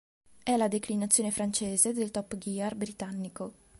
È la "declinazione" francese del Top Gear britannico.